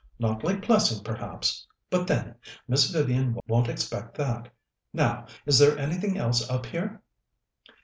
"Not like Plessing, perhaps but, then, Miss Vivian won't expect that. Now, is there anything else up here?"